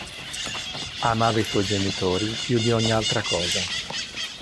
Amava i suoi genitori più di ogni altra cosa.